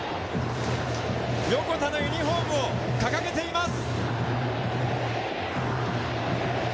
横田のユニホームを掲げています。